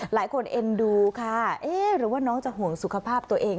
เอ็นดูค่ะเอ๊ะหรือว่าน้องจะห่วงสุขภาพตัวเอง